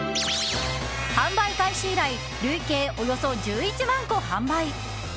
販売開始以来累計およそ１１万個販売。